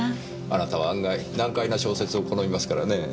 あなたは案外難解な小説を好みますからねぇ。